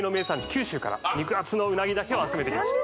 九州から肉厚のうなぎだけを集めてきました